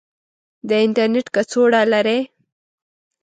د انترنیټ کڅوړه لرئ؟